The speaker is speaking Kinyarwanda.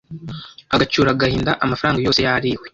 agacyura agahinda amafaranga yose yariwe.